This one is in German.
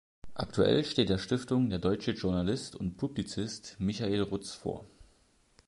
Aktuell steht der Stiftung der deutsche Journalist und Publizist Michael Rutz vor.